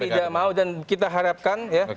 tidak mau dan kita harapkan ya